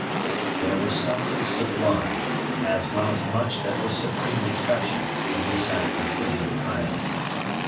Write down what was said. There was something sublime, as well as much that was supremely touching, in this act of filial piety.